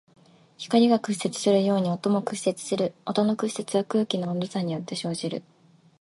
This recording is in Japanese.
光が屈折するように音も屈折する。音の屈折は空気の温度差によって生じる。